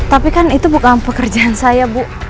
tapi kan itu bukan pekerjaan saya bu